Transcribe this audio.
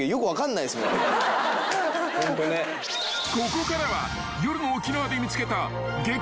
［ここからは夜の沖縄で見つけた激